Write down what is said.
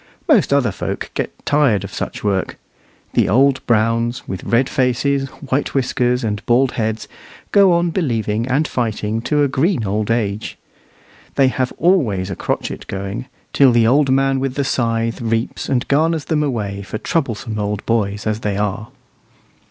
Most other folk get tired of such work. The old Browns, with red faces, white whiskers, and bald heads, go on believing and fighting to a green old age. They have always a crotchet going, till the old man with the scythe reaps and garners them away for troublesome old boys as they are.